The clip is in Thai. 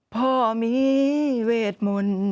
พ่อมีเวทมนต์